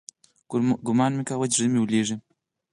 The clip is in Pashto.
ګومان مې کاوه چې زړه مې ويلېږي.